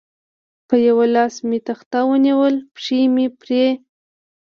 په یوه لاس مې تخته ونیول، پښې مې پرې.